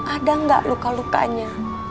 ada gak luka lukanya